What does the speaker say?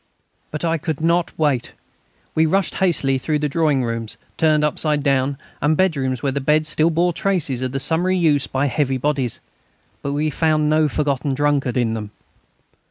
But I could not wait. We rushed hastily through drawing rooms turned upside down, and bedrooms where the beds still bore traces of summary use by heavy bodies. But we found no forgotten drunkard in them.